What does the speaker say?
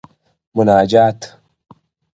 مناجات،